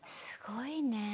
すごいね。